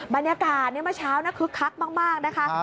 บรรยากาศเมื่อเช้าคึกคักมากนะคะ